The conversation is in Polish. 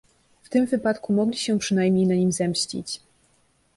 "W tym wypadku mogli się przynajmniej na nim zemścić."